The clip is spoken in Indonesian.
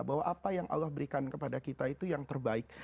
bahwa apa yang allah berikan kepada kita itu yang terbaik